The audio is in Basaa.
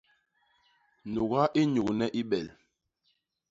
Nuga i nyugne i bel.